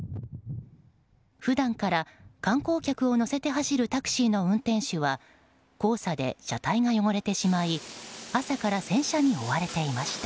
普段から観光客を乗せて走るタクシーの運転手は黄砂で車体が汚れてしまい朝から洗車に追われていました。